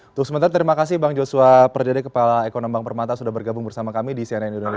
untuk sementara terima kasih bang joshua perdede kepala ekonomi bank permata sudah bergabung bersama kami di cnn indonesia